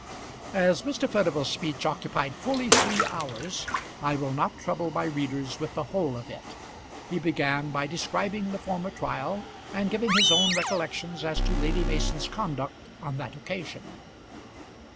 As Mr. Furnival's speech occupied fully three hours, I will not trouble my readers with the whole of it. He began by describing the former trial, and giving his own recollections as to Lady Mason's conduct on that occasion.